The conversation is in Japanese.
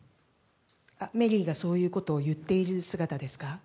メリーがそういうことを言っている姿ですか？